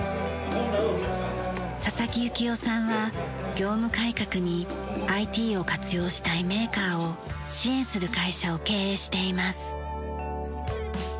佐々木幸雄さんは業務改革にＩＴを活用したいメーカーを支援する会社を経営しています。